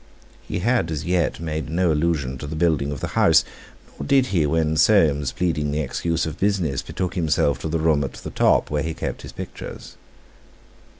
He had as yet made no allusion to the building of the house, nor did he when Soames, pleading the excuse of business, betook himself to the room at the top, where he kept his pictures.